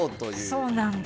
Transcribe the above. そうなんだ。